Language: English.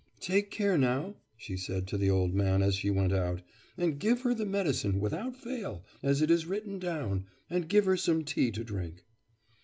'Take care, now,' she said to the old man as she went out, 'and give her the medicine without fail, as it is written down, and give her some tea to drink.